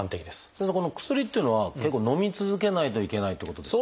先生この薬というのは結構のみ続けないといけないってことですか？